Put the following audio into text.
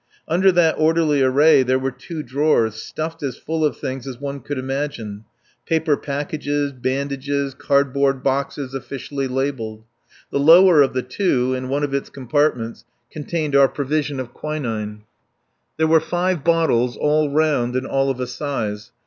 Under that orderly array there were two drawers, stuffed as full of things as one could imagine paper packages, bandages, cardboard boxes officially labelled. The lower of the two, in one of its compartments, contained our provision of quinine. There were five bottles, all round and all of a size.